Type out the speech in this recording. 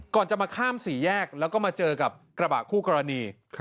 ก่อนจะมาข้ามสี่แยกแล้วก็มาเจอกับกระบะคู่กรณี